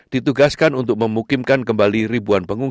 ditugaskan untuk memukimkan kembali ribuan pengusaha